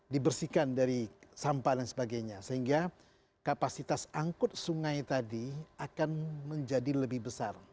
dibersihkan dari sampah dan sebagainya sehingga kapasitas angkut sungai tadi akan menjadi lebih besar